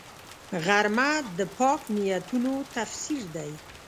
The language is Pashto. غرمه د پاک نیتونو تفسیر دی